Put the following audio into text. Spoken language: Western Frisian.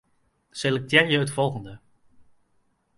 Selektearje it folgjende.